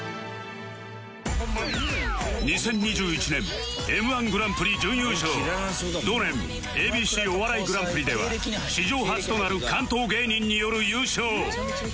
２０２１年 Ｍ−１ グランプリ準優勝同年 ＡＢＣ お笑いグランプリでは史上初となる関東芸人による優勝